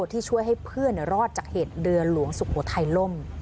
ที่ช่วยให้เพื่อนรอดจากเหตุเรือหลวงสุโขทัยล่ม